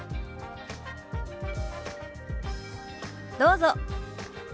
どうぞ。